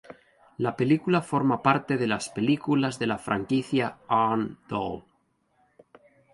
La película forma parte de las películas de la franquicia "Arne Dahl".